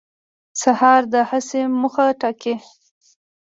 سهار د هڅې موخه ټاکي.